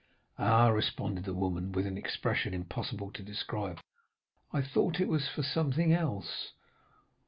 "'Ah,' responded the woman, with an expression impossible to describe; 'I thought it was for something else.